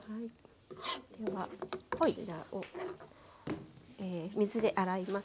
ではこちらを水で洗います。